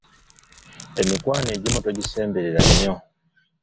Emikwano egimu togisembera nnyo.